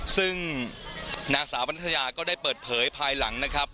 ซึ่งนางสาวบรรพยาก็ได้เปิดเผยภายหลังนะครับ